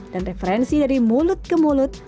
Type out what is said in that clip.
dan referensi dari mulut ke mulut